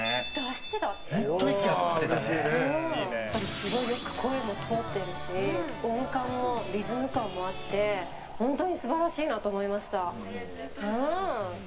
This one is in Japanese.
すごい声もよく通っているし音感もリズム感もあって本当に素晴らしいなと思いました。